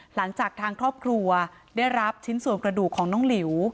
หลังจากทางครอบครัวได้รับชิ้นส่วนกระดูกของน้องหลิว